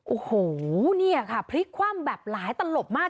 โอ้โหเนี่ยค่ะพลิกคว่ำแบบหลายตลบมาก